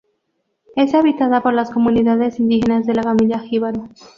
Es habitada por las comunidades indígenas de la familia Jíbaro.